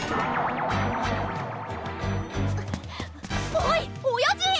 おいおやじ！